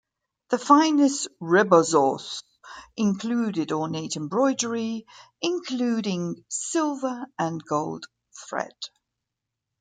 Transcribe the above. The finest rebozos included ornate embroidery including silver and gold thread.